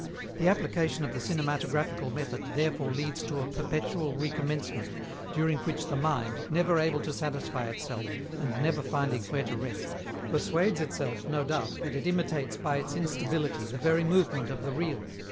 The application of the cinematographical method therefore leads to a perpetual recommencement, during which the mind, never able to satisfy itself and never finding where to rest, persuades itself, no doubt, that it imitates by its instability the very movement of the real.